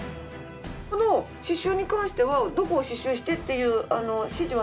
この刺繍に関してはどこを刺繍してっていう指示はなく？